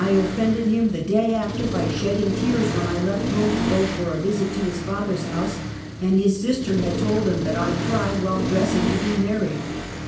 I offended him the day af ter by shedding tears when I left home to go for a visit to his father's house, and his sister had told him that I cried while dressing to be married.